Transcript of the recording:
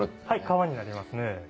はい皮になりますね。